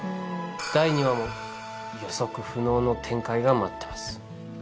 第２話も予測不能の展開が待ってます